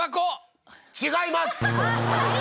違います。